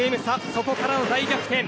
そこからの大逆転。